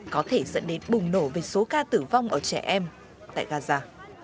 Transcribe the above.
có thể dẫn đến bùng nổ về số ca tử vong ở trẻ em tại gaza